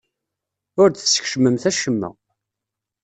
Ur d-teskecmemt acemma.